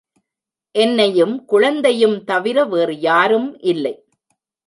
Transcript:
என்னையும் குழந்தையும் தவிர வேறுயாரும் இல்லை.